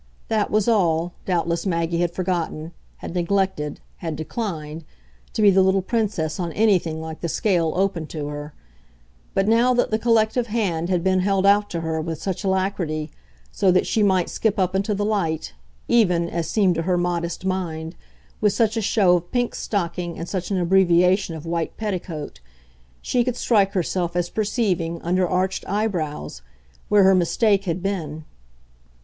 That was all, doubtless Maggie had forgotten, had neglected, had declined, to be the little Princess on anything like the scale open to her; but now that the collective hand had been held out to her with such alacrity, so that she might skip up into the light, even, as seemed to her modest mind, with such a show of pink stocking and such an abbreviation of white petticoat, she could strike herself as perceiving, under arched eyebrows, where her mistake had been.